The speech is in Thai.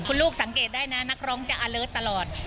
คุณลูกสังเกตได้นะนักร้องจะอเลิศตลอด